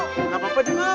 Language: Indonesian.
gak apa apa dianggap